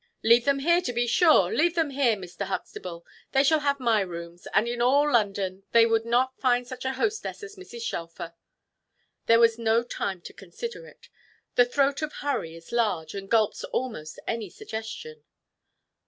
"Leave them here, to be sure, leave them here, Mr. Huxtable. They shall have my rooms; and in all London they would not find such a hostess as Mrs. Shelfer." There was no time to consider it. The throat of hurry is large, and gulps almost any suggestion.